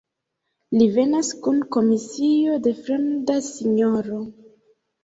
Li venas kun komisio de fremda sinjoro.